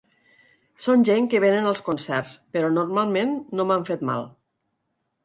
Són gent que vénen als concerts, però normalment no m’han fet mal.